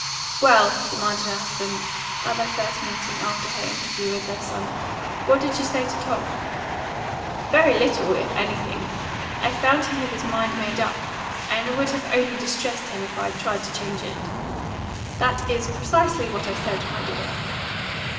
"Well," demanded her husband, at their first meeting after her interview with their son, "what did you say to Tom?" "Very little, if anything. I found him with his mind made up, and it would only have distressed him if I had tried to change it." "That is precisely what I said, my dear."